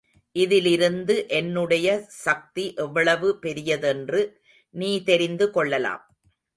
இதிலிருந்து என்னுடைய சக்தி எவ்வளவு பெரியதென்று நீ தெரிந்து கொள்ளலாம்.